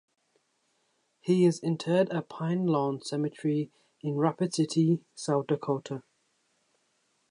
He is interred at Pine Lawn Cemetery in Rapid City, South Dakota.